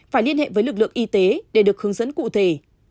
phải liên hệ với lực lượng y tế để được hướng dẫn cụ thể